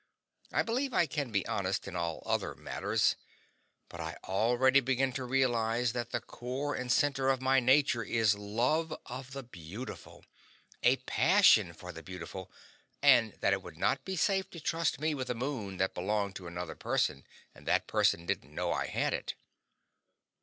I believe I can be honest in all other matters, but I already begin to realize that the core and center of my nature is love of the beautiful, a passion for the beautiful, and that it would not be safe to trust me with a moon that belonged to another person and that person didn't know I had it.